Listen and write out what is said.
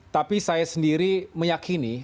tapi saya sendiri meyakini